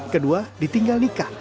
kedua ditinggal nikah